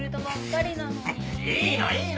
いいのいいの！